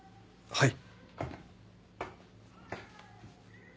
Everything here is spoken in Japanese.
はい。